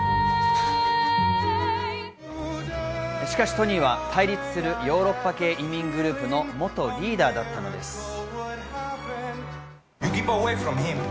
しかし、トニーは対立するヨーロッパ系移民グループの元リーダーだったのです。